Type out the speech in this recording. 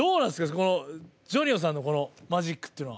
このＪＯＮＩＯさんのこのマジックっていうのは？